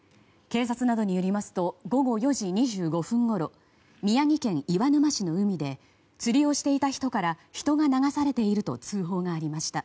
警察などによりますと午後４時２５分ごろ宮城県岩沼市の海で釣りをしていた人から人が流されていると通報がありました。